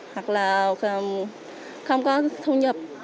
hoặc là không có thu nhập